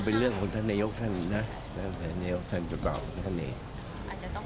เป็นเรื่องของท่านนายกท่านนะท่านนายกท่านจะบอกของท่านเอง